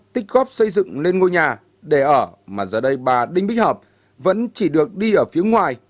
tích góp xây dựng lên ngôi nhà để ở mà giờ đây bà đinh bích hợp vẫn chỉ được đi ở phía ngoài